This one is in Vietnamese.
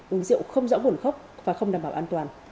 uống rượu không dõng buồn khóc và không đảm bảo an toàn